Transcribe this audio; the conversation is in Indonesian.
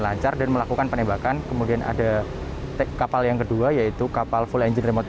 lancar dan melakukan penembakan kemudian ada kapal yang kedua yaitu kapal full engine remote